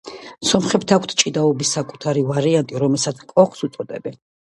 სომხებს აქვთ ჭიდაობის საკუთარი ვარიანტი, რომელსაც კოხს უწოდებენ.